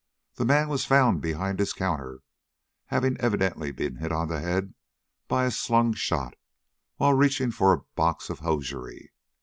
The man was found behind his counter, having evidently been hit on the head by a slung shot while reaching for a box of hosiery.